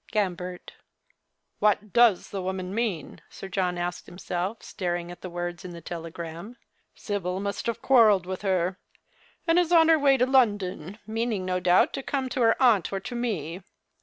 " Gambert." " What does the woman mean ?" Sir John asked himself, staring at the words in the telegram. " Sibyl must have quarrelled with her, and is on her way to London, meaning no doubt to come to her aunt or to me.